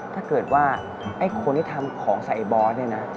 ถ้าเกิดว่าไอ้คนที่ทำของใส่บอสเนี่ยนะ